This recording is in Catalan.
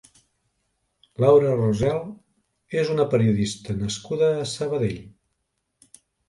Laura Rosel és una periodista nascuda a Sabadell.